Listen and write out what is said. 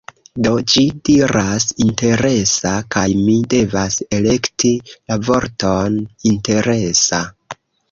Do, ĝi diras "interesa" kaj mi devas elekti la vorton "interesa"